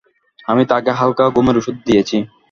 আমি তাকে হালকা ঘুমের ঔষধ দিয়েছি।